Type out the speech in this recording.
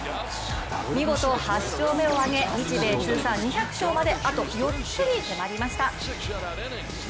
見事８勝目を挙げ、日米通算２００勝まであと４つに迫りました。